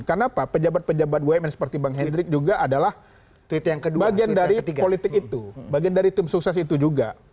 karena pak pejabat pejabat bumn seperti bang hendrik juga adalah bagian dari politik itu bagian dari tim sukses itu juga